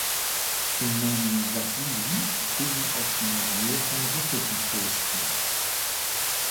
Den Namen Wassili trugen auch eine Reihe von russischen Fürsten.